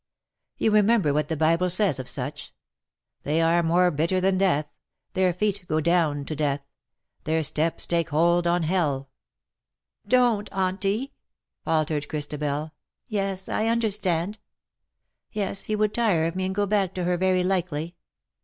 You remember what the Bible says of such ?' They are more bitter than death : their feet go down to death: their steps take hold on hell.^"' " Don't, Auntie/' faltered Christabel. " Yes, I understand. Yes, he would tire of me and go back to her very likely.